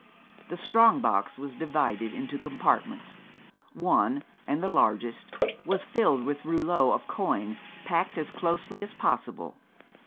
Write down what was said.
The strong box was divided into compartments. One, and the largest, was filled with rouleaux of coin, packed as closely as possible.